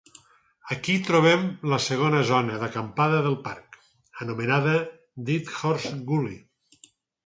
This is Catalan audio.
Aquí trobem la segona zona d'acampada del parc, anomenada Dead Horse Gully.